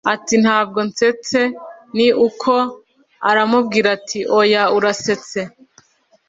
Ati ntabwo nsetse ni uko aramubwira ati oya urasetse